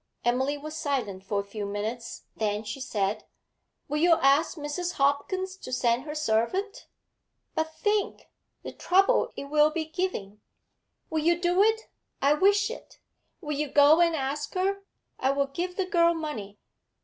Emily was silent for a few minutes. Then she said 'Will you ask Mrs. Hopkins to send her servant?' 'But think the trouble it will be giving.' 'Will you do it? I wish it. Will you go and ask her I will give the girl money.'